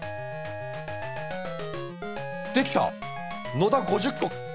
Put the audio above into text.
「野田」５０個！